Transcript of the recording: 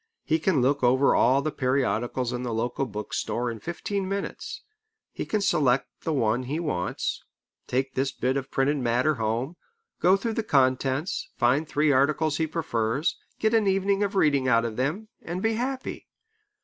He can look over all the periodicals in the local book store in fifteen minutes. He can select the one he wants, take this bit of printed matter home, go through the contents, find the three articles he prefers, get an evening of reading out of them, and be happy.